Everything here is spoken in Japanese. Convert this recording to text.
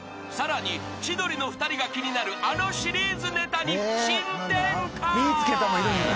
［さらに千鳥の２人が気になるあのシリーズネタに新展開］